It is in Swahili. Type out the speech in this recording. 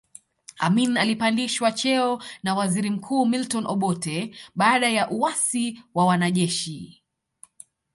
Amin alipandishwa cheo na waziri mkuu Milton Obote baada ya uasi wa wanajeshi